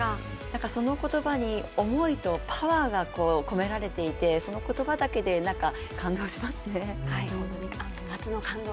その言葉に思いとパワーが込められていて、その言葉だけで感動しますね。